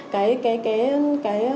cái cái cái cái